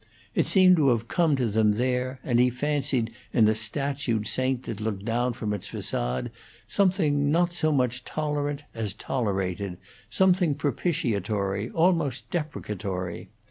It seemed to have come to them there, and he fancied in the statued saint that looked down from its facade something not so much tolerant as tolerated, something propitiatory, almost deprecatory.